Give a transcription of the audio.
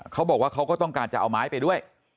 เขาบอกว่าเขาก็ต้องการจะเอาไม้ไปด้วย